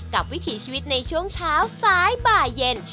วิถีชีวิตในช่วงเช้าสายบ่ายเย็น